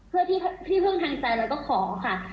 เพื่อที่พึ่งทางใจเราก็ขอค่ะ